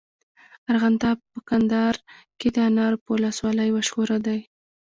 ارغنداب په کندهار کي د انارو په ولسوالۍ مشهوره دی.